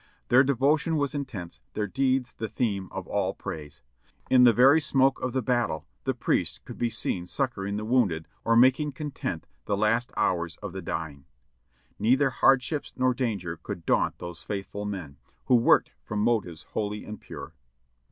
Their devotion was intense, their deeds the theme of all praise. In the very smoke of the battle the priests could be seen succor ing the wounded or making content the last hours of the dying. OFF DUTY 563 Neither hardships nor danger could daunt those faithful men, who worked from motives holy and pure.